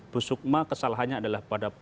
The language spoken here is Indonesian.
bu sukma kesalahannya adalah pada